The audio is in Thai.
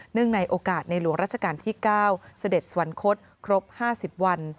ในโอกาสในหลวงราชการที่๙เสด็จสวรรคตครบ๕๐วัน